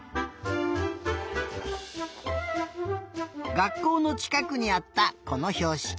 がっこうのちかくにあったこのひょうしき。